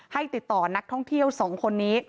ติดต่อนักท่องเที่ยว๒คนนี้